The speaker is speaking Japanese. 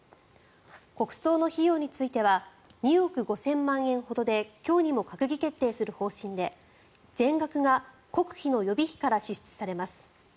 国葬の費用については２億５０００万円ほどで今日にも閣議決定する方針で全額が国費の予備費から支出されます。